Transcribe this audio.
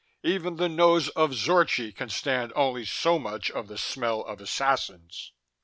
Even the nose of Zorchi can stand only so much of the smell of assassins!"